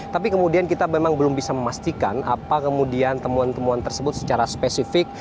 tapi kemudian kita memang belum bisa memastikan apa kemudian temuan temuan tersebut secara spesifik